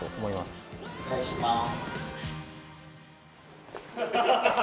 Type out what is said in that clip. はいお願いします。